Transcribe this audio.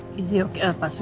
pak surya oke kan tapi